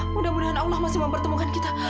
mudah mudahan allah masih mempertemukan kita